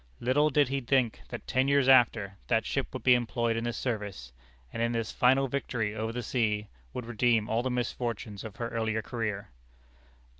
Little did he think that ten years after, that ship would be employed in this service; and in this final victory over the sea, would redeem all the misfortunes of her earlier career.